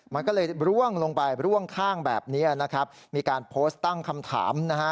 มันก็เลยร่วงลงไปร่วงข้างแบบนี้นะครับมีการโพสต์ตั้งคำถามนะฮะ